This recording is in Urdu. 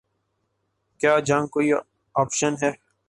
کیا جنگ کوئی آپشن ہے؟